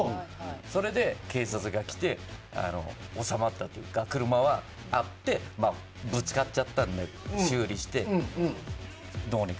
それで、警察が来て収まったというか車はあってぶつかっちゃったので修理して、どうにか。